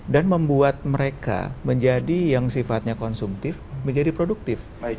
dan membuat mereka menjadi yang sifatnya konsumtif menjadi produktif